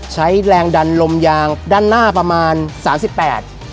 ใช้แรงดันลมยางด้านหน้าประมาณสามสิบแปด